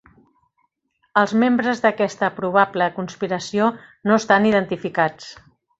Els membres d'aquesta probable conspiració no estan identificats.